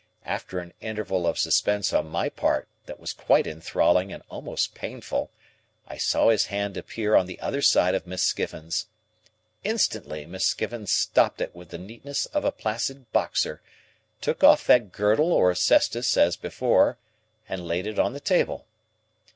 After an interval of suspense on my part that was quite enthralling and almost painful, I saw his hand appear on the other side of Miss Skiffins. Instantly, Miss Skiffins stopped it with the neatness of a placid boxer, took off that girdle or cestus as before, and laid it on the table.